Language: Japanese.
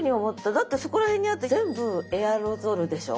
だってそこら辺にあって全部エアロゾルでしょ。